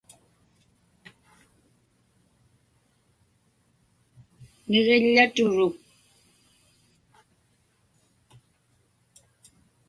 Niġiḷḷaturuk.